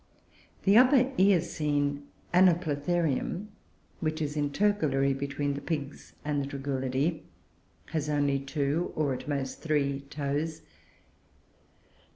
The Upper Eocene Anoplotherium, which is intercalary between the Pigs and the Tragulidoe, has only two, or, at most, three toes.